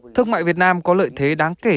thương mại việt nam có lợi thế đáng kể